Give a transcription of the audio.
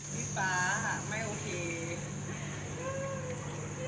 พี่ฟ้าไม่โอเค